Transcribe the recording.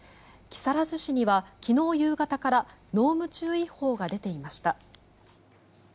木更津市には昨日夕方から濃霧注意報が出ていました。